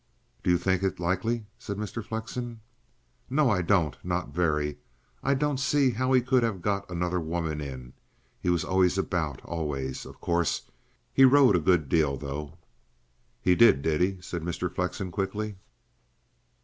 "Do you think it likely?" said Mr. Flexen. "No, I don't not very. I don't see how he could have got another woman in. He was always about always. Of course, he rode a good deal, though." "He did, did he?" said Mr. Flexen quickly.